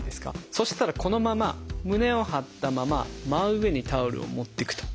そしたらこのまま胸を張ったまま真上にタオルを持っていくと。